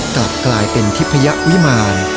กลับกลายเป็นทิพยวิมาร